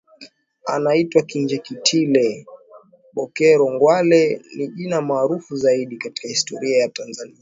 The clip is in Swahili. Anaitwa Kinjekitile Bokero Ngwale ni jina maarufu zaidi katika historia ya Tanzania